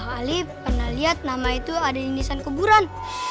ali pernah lihat nama itu ada di nisan keburan